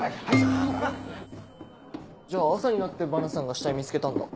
じゃあ朝になってバナさんが死体見つけたんだ。